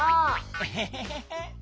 エヘヘヘヘ。